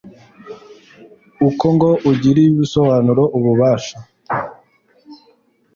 kuko ngo ubugiri bisobanura ububasha.